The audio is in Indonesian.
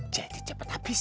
jadi cepet habis